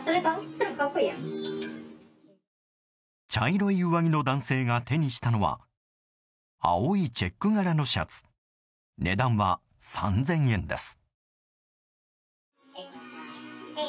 茶色い上着の男性が手にしたのは青いチェック柄のシャツ値段は３０００円です。